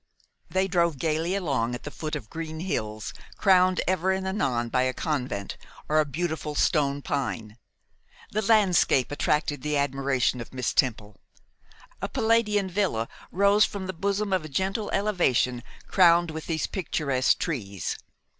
They drove gaily along at the foot of green hills, crowned ever and anon by a convent or a beautiful stone pine. The landscape attracted the admiration of Miss Temple. A palladian villa rose from the bosom of a gentle elevation, crowned with these picturesque trees.